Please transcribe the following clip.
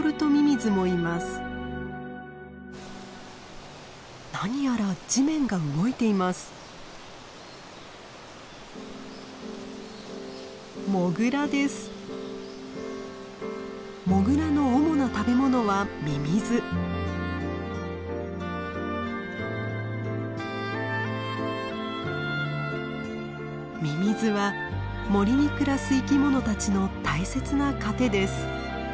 ミミズは森に暮らす生き物たちの大切な糧です。